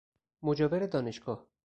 مجاور دانشگاه